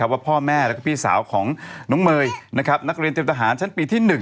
ว่าพ่อแม่และพี่สาวของน้องเมย์นักเรียนเตรียมทหารชั้นปีที่๑